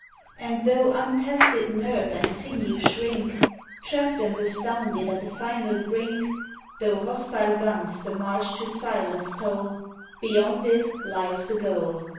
And though untested nerve and sinew shrink. Trapped and astounded at the final brink — Tho' hostile guns the march to silence toll, Beyond it lies the goal.